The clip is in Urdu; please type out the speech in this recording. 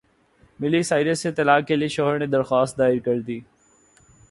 مائلی سائرس سے طلاق کے لیے شوہر نے درخواست دائر کردی